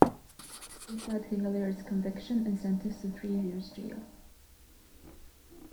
This led to Hilliard's conviction and sentence to three years jail.